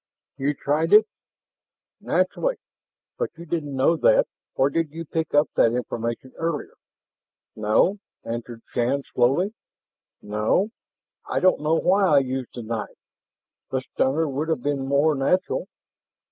"You tried it?" "Naturally. But you didn't know that, or did you pick up that information earlier?" "No," answer Shann slowly. "No, I don't know why I used the knife. The stunner would have been more natural."